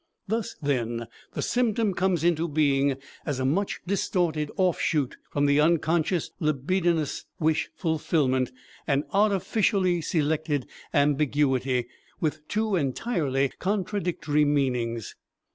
Thus, then, the symptom comes into being as a much distorted offshoot from the unconscious libidinous wish fulfillment, an artificially selected ambiguity with two entirely contradictory meanings.